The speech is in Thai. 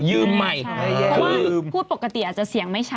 ใหม่เพราะว่าพูดปกติอาจจะเสียงไม่ชัด